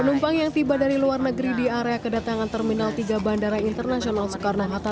penumpang yang tiba dari luar negeri di area kedatangan terminal tiga bandara internasional soekarno hatta